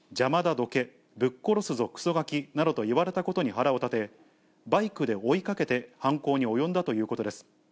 どけ、ぶっ殺すぞ、くそガキなどと言われたことに腹を立て、バイクで追いかけて犯行に及んだということです。